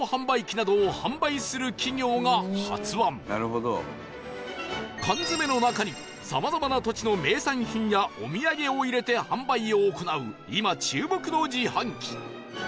「なるほど」缶詰の中にさまざまな土地の名産品やお土産を入れて販売を行う今注目の自販機